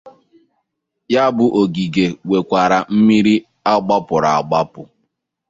Ya èbụ ogigè nwèkwàra mmiri a gbapuru agbapu